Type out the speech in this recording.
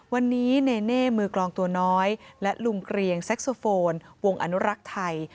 วันนี้เนเน่มือกลองตัวน้อยและลุงเกรียงแซ็กโซโฟนวงอนุรักษ์ไทย